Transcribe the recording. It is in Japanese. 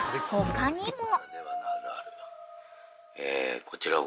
［他にも］